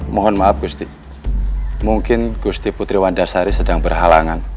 mohon maaf gusti mungkin gusti putri wandasari sedang berhalangan